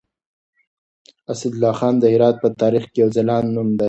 اسدالله خان د هرات په تاريخ کې يو ځلاند نوم دی.